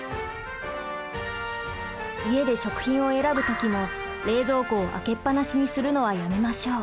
家で食品を選ぶ時も冷蔵庫を開けっ放しにするのはやめましょう。